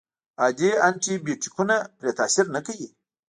عادي انټي بیوټیکونه پرې تاثیر نه کوي.